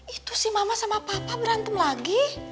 itu si mama sama papa berantem lagi